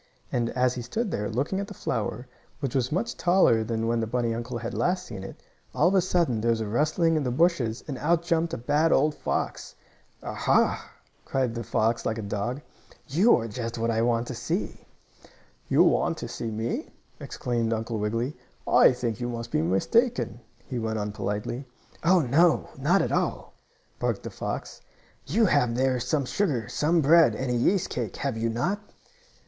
And, as he stood there, looking at the flower, which was much taller than when the bunny uncle had last seen it, all of a sudden there was a rustling in the bushes, and out jumped a bad old fox. "Ah, ha!" barked the fox, like a dog. "You are just the one I want to see!" "You want to see me?" exclaimed Uncle Wiggily. "I think you must be mistaken," he went on politely. "Oh, no, not at all!" barked the fox. "You have there some sugar, some bread and a yeast cake; have you not?"